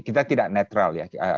kita tidak netral